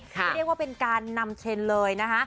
เรียกว่าเป็นการนำเทรนด์เลยนะคะ